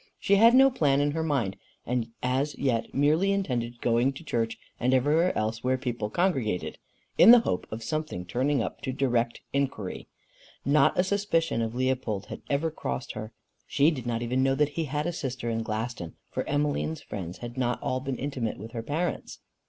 She had no plan in her mind, and as yet merely intended going to church and everywhere else where people congregated, in the hope of something turning up to direct inquiry. Not a suspicion of Leopold had ever crossed her. She did not even know that he had a sister in Glaston, for Emmeline's friends had not all been intimate with her parents.